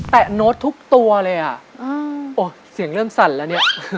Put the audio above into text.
โน้ตทุกตัวเลยอ่ะโอ้เสียงเริ่มสั่นแล้วเนี่ย